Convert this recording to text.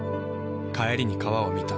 帰りに川を見た。